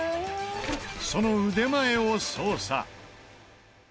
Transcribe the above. その腕前を捜査。